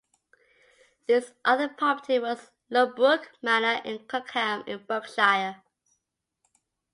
His other property was Lullebrook Manor at Cookham in Berkshire.